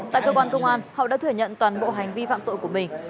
tại cơ quan công an hậu đã thừa nhận toàn bộ hành vi phạm tội của mình